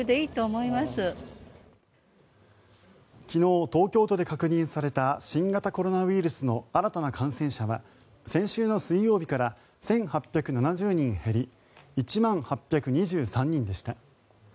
昨日、東京都で確認された新型コロナウイルスの新たな感染者は先週の水曜日から１８７０人減り１万８２３人でした。